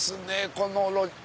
この路地！